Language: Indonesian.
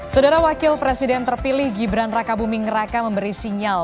saudara wakil presiden terpilih gibran raka buming raka memberi sinyal